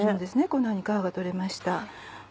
こんなふうに皮が取れました。